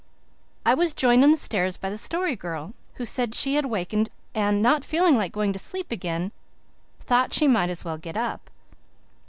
I was joined on the stairs by the Story Girl, who said she had wakened and, not feeling like going to sleep again, thought she might as well get up.